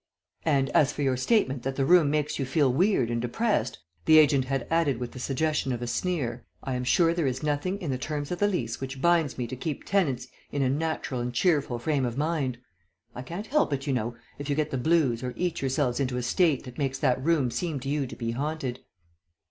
"And as for your statement that the room makes you feel weird and depressed," the agent had added with the suggestion of a sneer, "I am sure there is nothing in the terms of the lease which binds me to keep tenants in a natural and cheerful frame of mind. I can't help it, you know, if you get the blues or eat yourselves into a state that makes that room seem to you to be haunted."